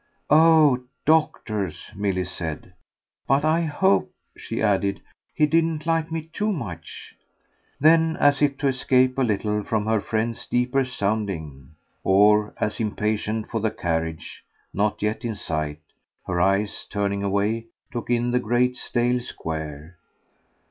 "Oh doctors!" Milly said. "But I hope," she added, "he didn't like me too much." Then as if to escape a little from her friend's deeper sounding, or as impatient for the carriage, not yet in sight, her eyes, turning away, took in the great stale square.